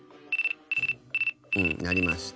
うん鳴りました。